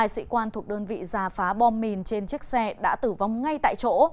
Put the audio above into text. hai sĩ quan thuộc đơn vị giả phá bom mìn trên chiếc xe đã tử vong ngay tại chỗ